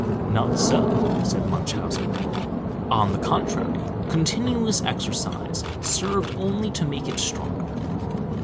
"Not so," said Munchausen. "On the contrary, continuous exercise served only to make it stronger.